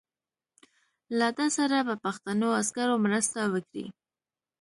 له ده سره به پښتنو عسکرو مرسته وکړي.